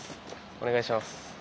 お願いします。